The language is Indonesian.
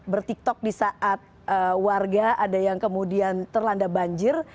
bertiktok di saat warga ada yang kemudian terlanda banjir